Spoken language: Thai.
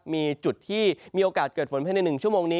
มีจุดที่มีโอกาสเกิดฝนภายใน๑ชั่วโมงนี้